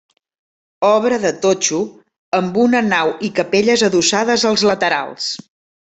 Obra de totxo amb una nau i capelles adossades als laterals.